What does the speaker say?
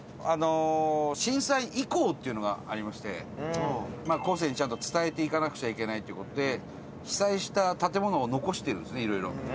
震災遺構というのがありまして後世に、ちゃんと伝えていかなくちゃいけないという事で被災した建物を残してるんですねいろいろ。